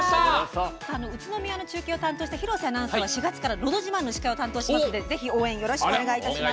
宇都宮の中継を担当した廣瀬アナウンサーは４月から「のど自慢」を担当しますのでぜひ、応援よろしくお願いします。